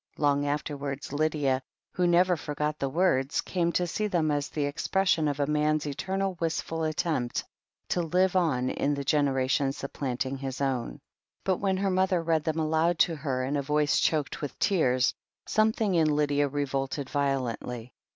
Long afterwards, Lydia, who n^er forgot the words, came to see them as the expression of man's eternal wistful attempt to live on in the generation sup planting his own, but when her mother read them aloud to her, in a voice choked with tears, something in Lydia revolted violently.